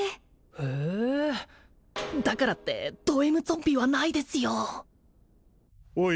へえだからってドＭゾンビはないですよおい